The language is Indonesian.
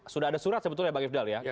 sudah ada surat sebetulnya bang ifdula ya ya